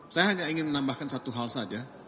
saya hanya ingin menambahkan satu hal saja